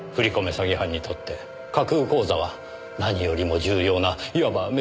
詐欺犯にとって架空口座は何よりも重要ないわば飯の種です。